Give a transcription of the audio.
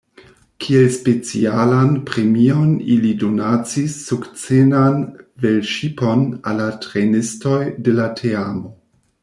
Kiel specialan premion ili donacis sukcenan velŝipon al la trejnistoj de la teamo.